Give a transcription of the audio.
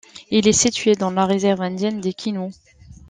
Il est situé dans la réserve indienne des Quinaults.